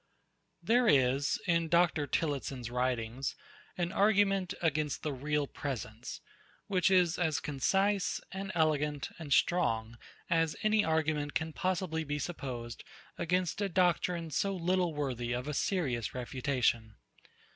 PART I. 86. There is, in Dr. Tillotson's writings, an argument against the real presence, which is as concise, and elegant, and strong as any argument can possibly be supposed against a doctrine, so little worthy of a serious refutation.